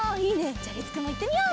じゃありつくんもいってみよう！